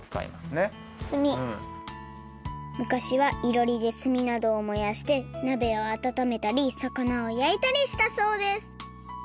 昔はいろりですみなどをもやしてなべをあたためたりさかなをやいたりしたそうです